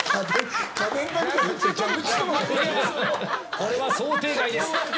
これは想定外です！